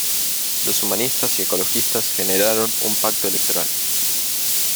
Los humanistas y ecologistas generaron un pacto electoral.